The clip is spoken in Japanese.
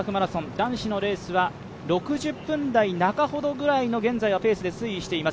男子のレースは６０分台中程ぐらいの現在はペースで推移しています。